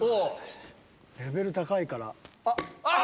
レベル高いからあっ。